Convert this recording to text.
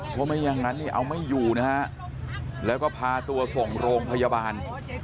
เพราะไม่อย่างนั้นเนี่ยเอาไม่อยู่นะฮะแล้วก็พาตัวส่งโรงพยาบาล